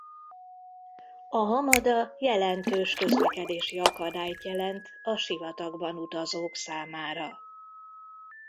A hamada jelentős közlekedési akadályt jelent a sivatagban utazók számára.